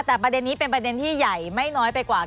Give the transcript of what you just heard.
แต่ประเด็นนี้เป็นประเด็นที่ใหญ่ไม่น้อยไปกว่า